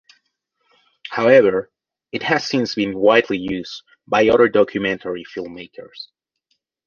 However it has since been widely used by other documentary filmmakers.